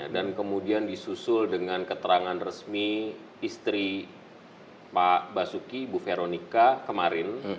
dan kemudian disusul dengan keterangan resmi istri pak basuki ibu veronica kemarin